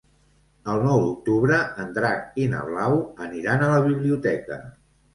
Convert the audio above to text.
El nou d'octubre en Drac i na Blau aniran a la biblioteca.